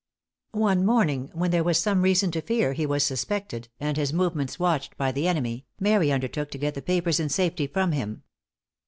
One morning, when there was some reason to fear he was suspected, and his movements watched by the enemy, Mary undertook to get the papers in safety from him.